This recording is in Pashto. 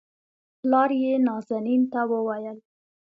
پلار يې نازنين ته وويل